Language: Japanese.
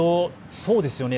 そうですよね。